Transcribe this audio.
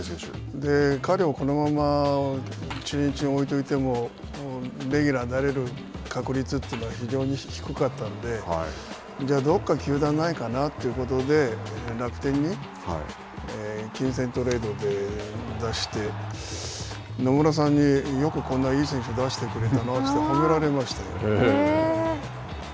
彼をこのまま中日に置いといても、レギュラーになれる確率というのは、非常に低かったんで、じゃあどこか球団ないかなということで、楽天に金銭トレードで出して、野村さんに、よくこんないい選手、出してくれたなって、褒められましたよ。